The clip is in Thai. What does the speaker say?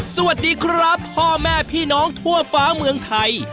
สวัสดีครับพ่อแม่พี่น้องทั่วฟ้าเมืองไทย